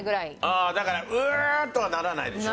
ああだから「うう！」とはならないでしょ？